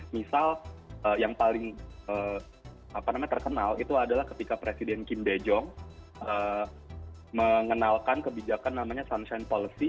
misal yang paling terkenal itu adalah ketika presiden kim bee jong mengenalkan kebijakan namanya sunshion policy